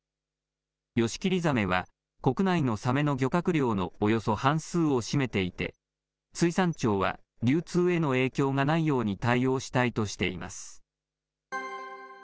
ヨシキリザメは、国内のサメの漁獲量のおよそ半数を占めていて、水産庁は、流通への影響がないように対応したいとしています。